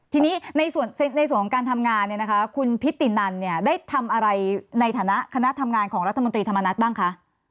ทีนี้ในส่วนของการทำงานเนี่ยนะคะคุณพิตินันเนี่ยได้ทำอะไรในฐานะคณะทำงานของรัฐมนตรีธรรมนัฐบ้างคะ